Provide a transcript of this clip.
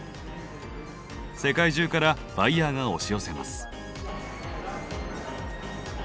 世界中からバイヤーが押し寄せます。